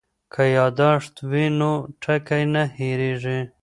که یادښت وي نو ټکی نه هېریږي.